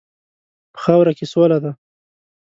په خاوره کې سوله ده.